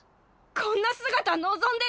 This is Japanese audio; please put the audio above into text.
こんな姿望んでない！